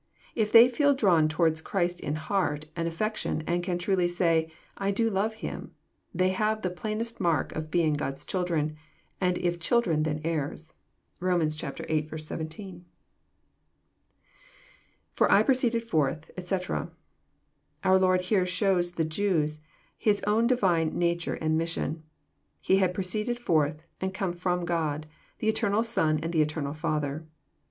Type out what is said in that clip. If they feel drawn towards Christ in heart and affection, and can truly say ''I do love Him, they have the plainest mark of being God's children, and " if children then heirs." (Rom. viii. 17.) IFor I proceeded forthy ete."] Our Lord here shows the Jews His own divine nature and mission. He had proceeded forth, and come from God — the eternal Son from the eternal Father.